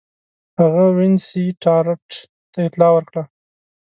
هغه وینسیټارټ ته اطلاع ورکړه.